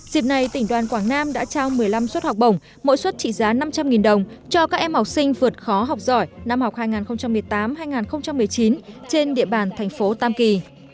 dịp này tỉnh đoàn quảng nam đã trao một mươi năm suất học bổng mỗi suất trị giá năm trăm linh đồng cho các em học sinh vượt khó học giỏi năm học hai nghìn một mươi tám hai nghìn một mươi chín trên địa bàn thành phố tam kỳ